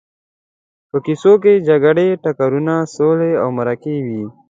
په کیسو کې جګړې، ټکرونه، سولې او مرکې وي.